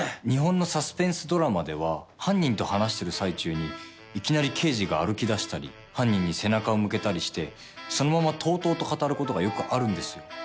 日本のサスペンスドラマでは犯人と話してる最中にいきなり刑事が歩きだしたり犯人に背中を向けたりしてそのままとうとうと語ることがよくあるんですよ。